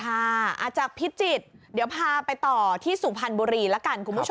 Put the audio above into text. อาจจะพิจิตรเดี๋ยวพาไปต่อที่สุพรรณบุรีแล้วกันคุณผู้ชม